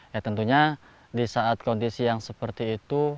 ya tentunya di saat kondisi yang seperti itu